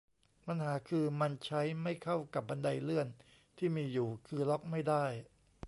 ปัญหาคือ มันใช้ไม่เข้ากับบันไดเลื่อนที่มีอยู่ คือล็อกไม่ได้